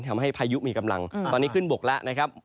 ทำให้พายุมีกำลังตอนนี้ขึ้นบกแล้ว